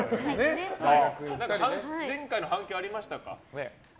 前回の反響ありましたか？